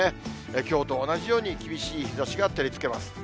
きょうと同じように厳しい日ざしが照りつけます。